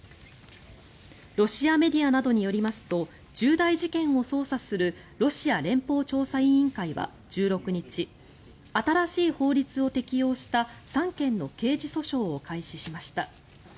ロシアメディアなどによりますと重大事件を捜査するロシア連邦調査委員会は１６日新しい法律を適用した３件の刑事訴訟を開始しました。